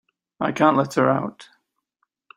I can't let her out.